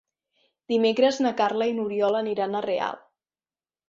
Dimecres na Carla i n'Oriol aniran a Real.